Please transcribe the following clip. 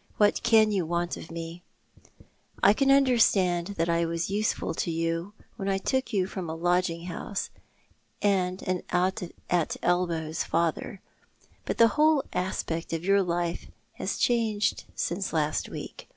" What can you want of me? I can understand that I was useful to you when I took you from a lodging house and an out at elbows father, but the whole aspect of your life has changed since last week.